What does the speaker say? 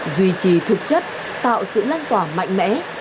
duy trì thực chất tạo sự lanh tỏa mạnh mẽ